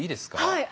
はい。